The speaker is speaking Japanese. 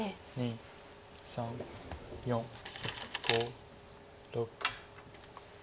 ３４５６。